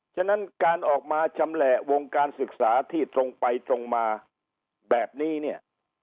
ฉะนั้นการออกมาชำแหละวงการศึกษาที่ตรงไปตรงมาแบบนี้เนี่ย